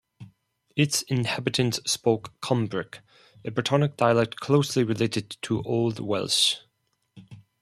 Its inhabitants spoke Cumbric, a Brittonic dialect closely related to Old Welsh.